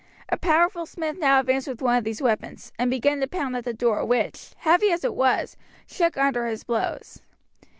A powerful smith now advanced with one of these heavy weapons and began to pound at the door, which, heavy as it was, shook under his blows.